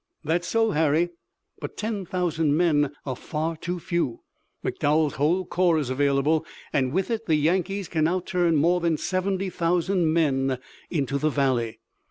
"That's so, Harry, but ten thousand men are far too few. McDowell's whole corps is available, and with it the Yankees can now turn more than seventy thousand men into the valley."